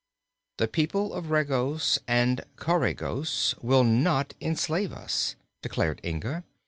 "The people of Regos and Coregos will not enslave us," declared Inga.